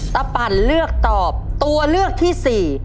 ตะปันเลือกตอบตัวเลือกที่๔